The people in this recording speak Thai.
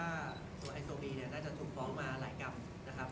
ตัวไฮโซบีเนี่ยน่าจะถูกฟ้องมาหลายกรรมนะครับ